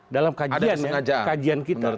dalam kajian kita